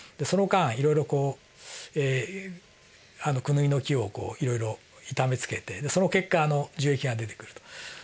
その間いろいろこうクヌギの木をこういろいろ痛めつけてその結果樹液が出てくると。